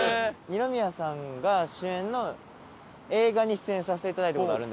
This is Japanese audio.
二宮さんが主演の映画に出演させていただいた事がある